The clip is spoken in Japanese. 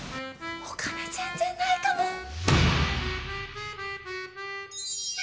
お金全然ないかも。